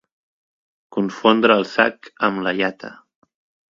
Confondre el sac amb la llata.